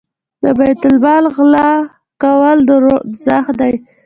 د بیت المال غلا کول دوزخ دی.